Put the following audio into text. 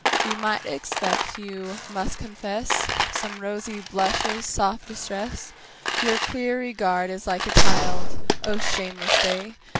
We might expect, you must confess, Some rosy blushes, soft distress Your clear regard is like a child, O shameless day!